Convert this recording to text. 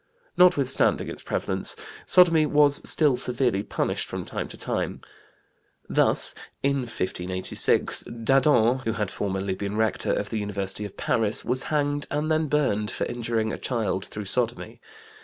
Notwithstanding its prevalence, sodomy was still severely punished from time to time. Thus in 1586, Dadon, who had formerly been Rector of the University of Paris, was hanged and then burned for injuring a child through sodomy.